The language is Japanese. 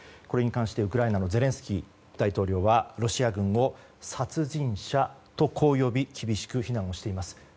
これに関して、ウクライナのゼレンスキー大統領はロシア軍を殺人者と呼び厳しく非難をしています。